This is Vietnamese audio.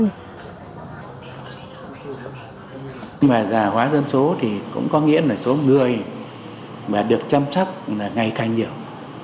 nhưng mà già hóa dân số thì cũng có nghĩa là số người mà được chăm sóc là ngày càng nhiều